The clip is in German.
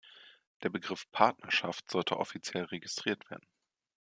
Der Begriff ‚Partnerschaft‘ sollte offiziell registriert werden.